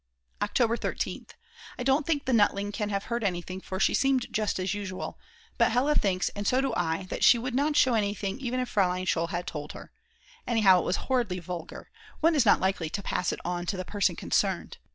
October 13th. I don't think the Nutling can have heard anything for she seemed just as usual; but Hella thinks and so do I that she would not show anything even if Frl. Scholl had told her; anyhow it was horridly vulgar; one is not likely to pass it on to the person concerned.